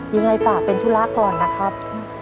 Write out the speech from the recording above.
ยังไงฝากเป็นธุระก่อนนะครับ